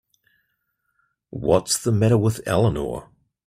What's the matter with Eleanor?